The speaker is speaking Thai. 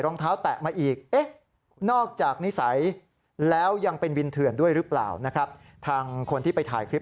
รองเท้าแตะมาอีกเอ๊ะนอกจากนิสัยแล้วยังเป็นวินเถื่อนด้วยหรือเปล่านะครับทางคนที่ไปถ่ายคลิป